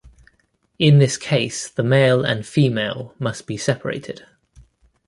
In this case the male and female must be separated.